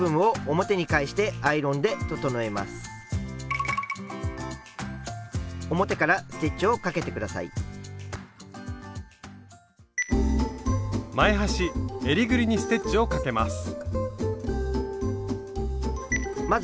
前端・えりぐりにステッチをかけます。